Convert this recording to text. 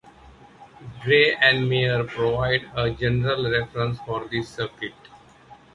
Gray and Meyer provide a general reference for this circuit.